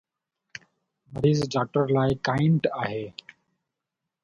مريض ڊاڪٽر لاء "ڪائنٽ" آهي.